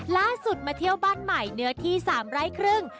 ล่าสุดมาเที่ยวบ้านใหม่เนื้อที่๓ไร่ครึ่ง